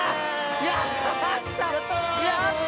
やった！